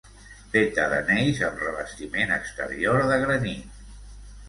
Feta de gneis amb revestiment exterior de granit.